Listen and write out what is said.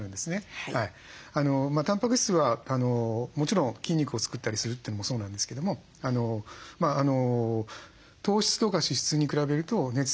たんぱく質はもちろん筋肉を作ったりするというのもそうなんですけども糖質とか脂質に比べると熱産生効率もいいんですよ。